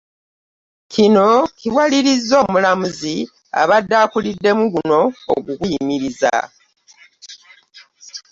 Kino kiwalirizza omulamuzi abadde akuliddemu guno okuguyimiriza